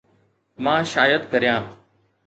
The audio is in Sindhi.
مان شايد ڪريان